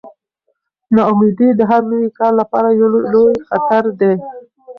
ناامیدي د هر نوي کار لپاره یو لوی خطر دی.